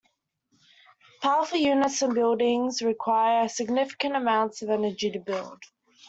Powerful units and buildings require significant amounts of energy to build.